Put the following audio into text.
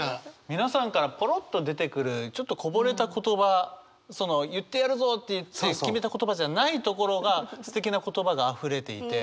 皆さんからぽろっと出てくるちょっとこぼれた言葉言ってやるぞって言って決めた言葉じゃないところがすてきな言葉があふれていて。